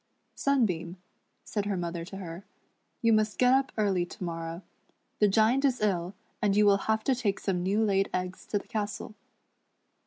".Sunbeam," .said her mother to her, "you must get up early to morrow. The Giant is ill, and you will have to take some new laid eggs to the castle."